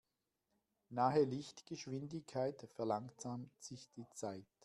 Nahe Lichtgeschwindigkeit verlangsamt sich die Zeit.